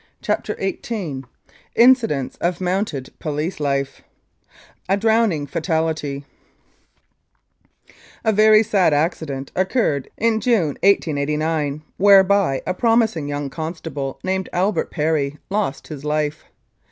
261 CHAPTER XVIII INCIDENTS OF MOUNTED POLICE LIFE A DROWNING FATALITY A VERY sad accident occurred in June, 1889, whereby a promising young constable named Albert Perry lost his life.